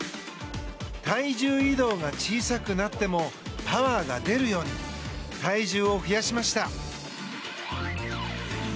体重移動が小さくなってもパワーが出るように体重を増やしました。